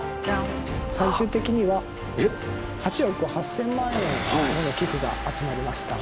最終的には８億８，０００万円もの寄付が集まりました。